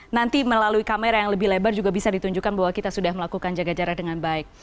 nanti melalui kamera yang lebih lebar juga bisa ditunjukkan bahwa kita sudah melakukan jaga jarak dengan baik